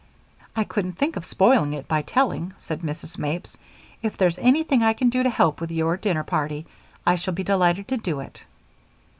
"I couldn't think of spoiling it by telling," said Mrs. Mapes. "If there's anything I can do to help you with your dinner party I shall be delighted to do it."